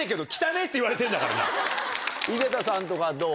井桁さんとかどう？